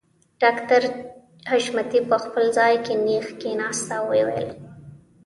ډاکټر حشمتي په خپل ځای کې نېغ کښېناسته او ويې ويل